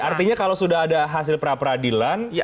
artinya kalau sudah ada hasil pra peradilan